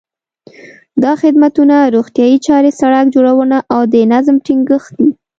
دا خدمتونه روغتیايي چارې، سړک جوړونه او د نظم ټینګښت دي.